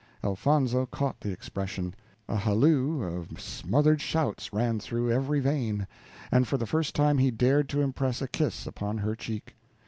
Elfonzo caught the expression; a halloo of smothered shouts ran through every vein, and for the first time he dared to impress a kiss upon her cheek.